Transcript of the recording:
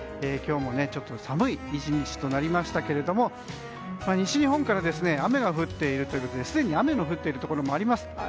今日もちょっと寒い１日となりましたが西日本から雨が降っているということですでに雨が降っているところもあります。